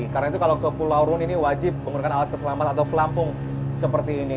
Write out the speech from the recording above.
karena itu kalau ke pulau rune ini wajib menggunakan alat keselamatan atau kelampung seperti ini